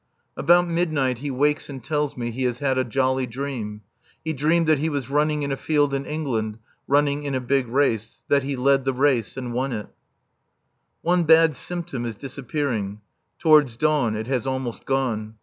About midnight [?] he wakes and tells me he has had a jolly dream. He dreamed that he was running in a field in England, running in a big race, that he led the race and won it. [Sunday, 11th.] One bad symptom is disappearing. Towards dawn it has almost gone.